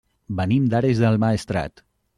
Venim d'Ares del Maestrat.